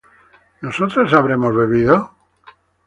¿nosotras habremos bebido?